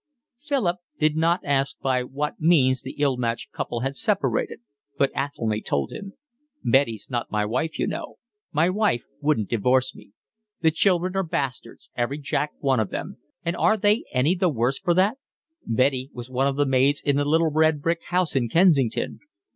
Philip did not ask by what means the ill matched couple had separated, but Athelny told him. "Betty's not my wife, you know; my wife wouldn't divorce me. The children are bastards, every jack one of them, and are they any the worse for that? Betty was one of the maids in the little red brick house in Kensington.